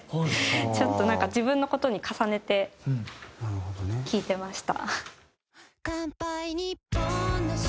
ちょっとなんか自分の事に重ねて聴いてました。